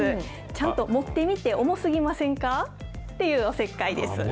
ちゃんと持ってみて、重すぎませんか？っていうおせっかいです。